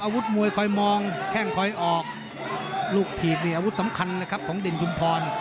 อาวุธมวยคอยมองแข้งคอยออกลูกถีบมีอาวุธสำคัญเลยครับของเด่นชุมพร